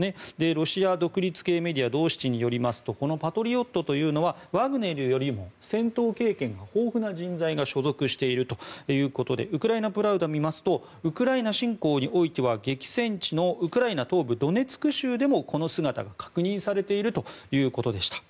ロシア独立系メディアドーシチによりますとこのパトリオットというのはワグネルよりも戦闘経験が豊富な人材が所属しているということでウクライナ・プラウダを見ますとウクライナ侵攻においては激戦地のウクライナ東部ドネツク州でもこの姿が確認されているということでした。